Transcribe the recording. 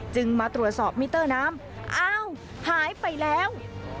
มาตรวจสอบมิเตอร์น้ำอ้าวหายไปแล้ว